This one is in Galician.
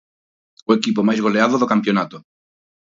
O equipo máis goleado do campionato.